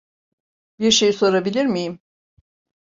Bir şey sorabilir miyim?